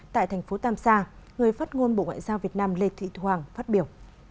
tại thành phố tam sa người phát ngôn bộ ngoại giao việt nam lê thị thu hoàng phát biểu